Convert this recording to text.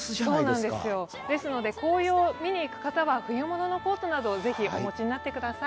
ですので紅葉を見にいく方は冬物のコートなどをお持ちになってください。